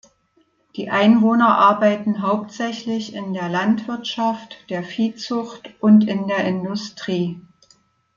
Die Einwohner arbeiten hauptsächlich in der Landwirtschaft, der Viehzucht und in der Industrie.